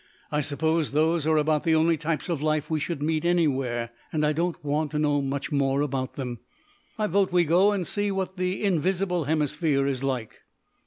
I suppose those are about the only types of life we should meet anywhere, and I don't want to know much more about them. I vote we go and see what the invisible hemisphere is like."